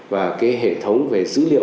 và cái hệ thống về dữ liệu